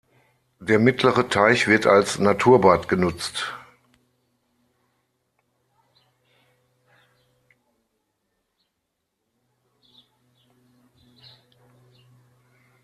Der mittlere Teich wird als Naturbad genutzt.